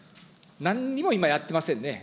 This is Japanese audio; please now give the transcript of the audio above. なんにも今やってませんね。